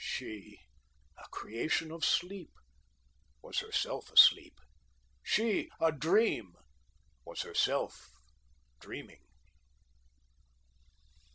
She, a creation of sleep, was herself asleep. She, a dream, was herself dreaming.